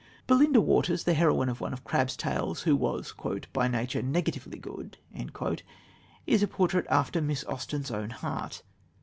Belinda Waters, the heroine of one of Crabbe's tales, who was "by nature negatively good," is a portrait after Miss Austen's own heart.